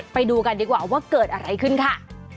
ไปดูกันดีกว่าว่าเกิดอะไรขึ้นค่ะ